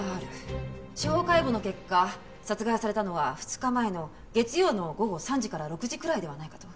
司法解剖の結果殺害されたのは２日前の月曜の午後３時から６時くらいではないかと。